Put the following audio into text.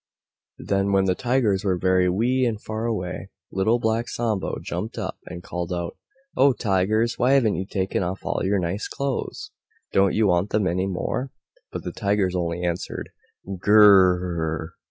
Then, when the Tigers were very wee and very far away, Little Black Sambo jumped up, and called out, "Oh! Tigers! why have you taken off all your nice clothes? Don't you want them any more?" But the Tigers only answered, "Gr r rrrr!"